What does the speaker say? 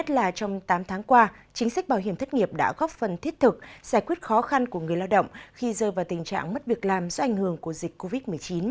trong tám tháng qua chính sách bảo hiểm thất nghiệp đã góp phần thiết thực giải quyết khó khăn của người lao động khi rơi vào tình trạng mất việc làm do ảnh hưởng của dịch covid một mươi chín